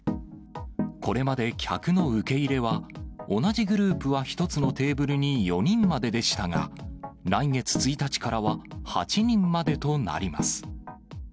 これまで客の受け入れは、同じグループは１つのテーブルに４人まででしたが、来月１日からは８人までとなります。